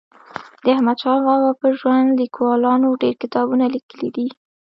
د احمدشاه بابا پر ژوند لیکوالانو ډېر کتابونه لیکلي دي.